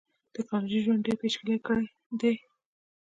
ټکنالوژۍ ژوند ډیر پېچلی کړیدی.